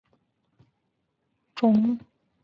小紫果槭为槭树科槭属下的一个变种。